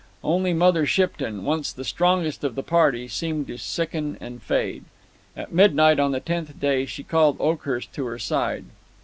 Only Mother Shipton once the strongest of the party seemed to sicken and fade. At midnight on the tenth day she called Oakhurst to her side.